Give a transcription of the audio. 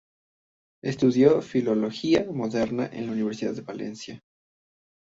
Estudió filología moderna en la Universidad de Valencia.